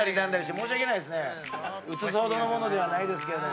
映すほどのものではないですけど。